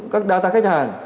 các data khách hàng